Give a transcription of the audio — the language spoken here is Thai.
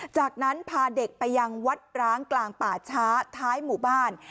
จากนั้นพาเด็กไปยังวัดร้างกลางป่าช้าท้ายหมู่บ้าน